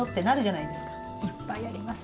いっぱいあります。